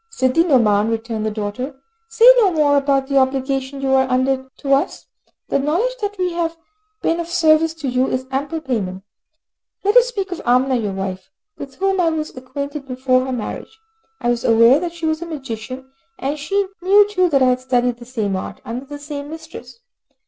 "Sidi Nouman," returned the daughter, "say no more about the obligation you are under to us. The knowledge that we have been of service to you is ample payment. Let us speak of Amina, your wife, with whom I was acquainted before her marriage. I was aware that she was a magician, and she knew too that I had studied the same art, under the same mistress.